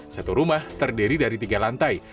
satu rumah terdiri dari tiga lantai